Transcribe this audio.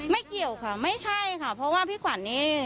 เกี่ยวค่ะไม่ใช่ค่ะเพราะว่าพี่ขวัญนี่